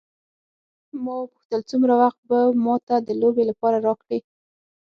ما وپوښتل څومره وخت به ما ته د لوبې لپاره راکړې.